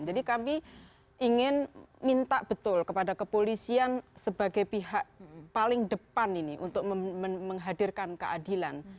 jadi kami ingin minta betul kepada kepolisian sebagai pihak paling depan ini untuk menghadirkan keadilan